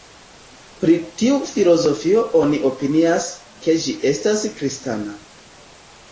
Pri tiu filozofio oni opinias, ke ĝi estas kristana.